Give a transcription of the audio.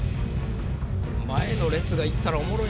前の列がいったらおもろい。